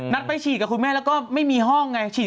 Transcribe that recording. ไปฉีดกับคุณแม่แล้วก็ไม่มีห้องไง